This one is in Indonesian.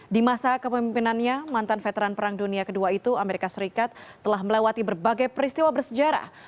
di masa kepemimpinannya mantan veteran perang dunia ii itu amerika serikat telah melewati berbagai peristiwa bersejarah